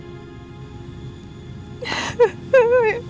ayuh maafkanku einengi tengah